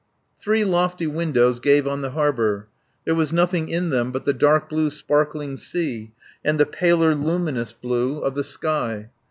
Three lofty windows gave on the harbour. There was nothing in them but the dark blue sparkling sea and the paler luminous blue of the sky.